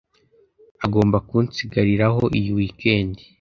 agomba kunsigariraho iyi week end,